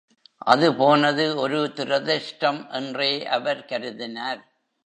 அது போனது ஒரு துரதிருஷ்டம் என்றே அவர் கருதினார்.